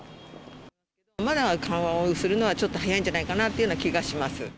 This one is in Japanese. まだ緩和をするのはちょっと早いんじゃないかなという気はします。